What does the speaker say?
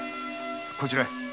こちらへ